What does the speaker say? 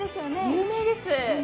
有名です。